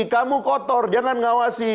kamu kotor jangan ngawasi